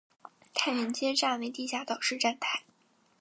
太原街站为地下岛式站台。